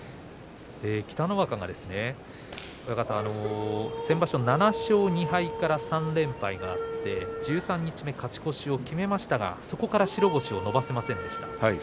北の若が先場所は７勝２敗から３連敗があって十三日目、勝ち越しを決めましたがそこから白星を伸ばせませんでした。